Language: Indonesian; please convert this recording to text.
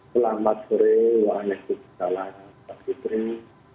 selamat sore waalaikumsalam